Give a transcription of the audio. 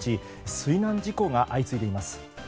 水難事故が相次いでいます。